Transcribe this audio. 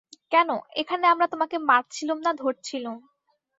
কেন, এখানে আমরা তোমাকে মারছিলুম না ধরছিলুম।